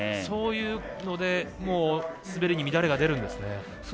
そういうので滑りに乱れが出るんですね。